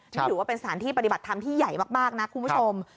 นี่ถือว่าเป็นสถานที่ปฏิบัติธรรมที่ใหญ่มากนะคุณผู้ชม